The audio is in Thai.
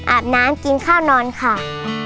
อาบน้ำกินข้าวนอนค่ะ